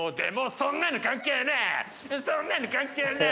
そんなの関係ねぇ！